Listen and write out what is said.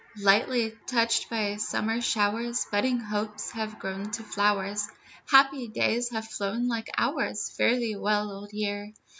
Lightly touched by summer showers, Budding hopes have grown to flowers, Happy days have flown like hours, Fare thee well, Old Year.